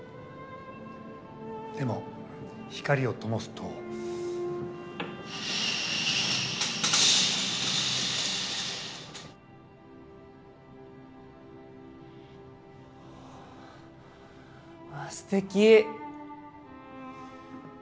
でも光を灯すと。わすてき！